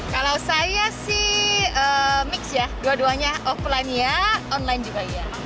kalau saya sih mix ya dua duanya offline ya online juga ya